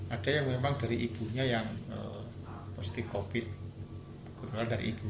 ada yang memang dari ibunya yang positif covid sembilan belas